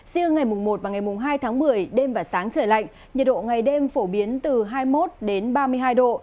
riêng ngày một và ngày hai tháng một mươi đêm và sáng trời lạnh nhiệt độ ngày đêm phổ biến từ hai mươi một đến ba mươi hai độ